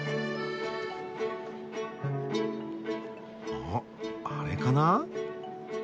ああれかな？